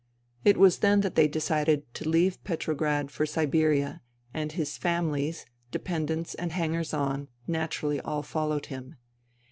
It was then that they decided to leave Petrograd for Siberia, and his famihes, dependents and hangers on naturally all followed him.